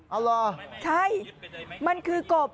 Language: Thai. เอาเหรอใช่มันคือกบ